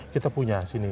kita punya di sini